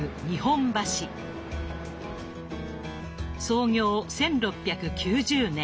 創業１６９０年。